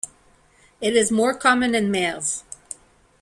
It is more common in males.